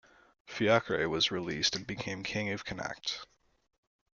Fiachrae was released and became king of Connacht.